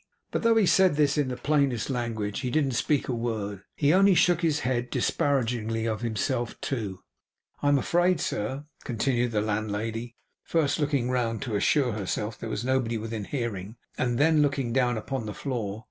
But though he said this in the plainest language, he didn't speak a word. He only shook his head; disparagingly of himself too. 'I am afraid, sir,' continued the landlady, first looking round to assure herself that there was nobody within hearing, and then looking down upon the floor.